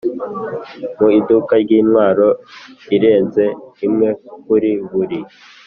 mu iduka rye intwaro irenze imwe kuri buri